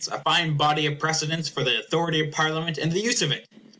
A fine body of precedents for the authority of Parliament and the use of it!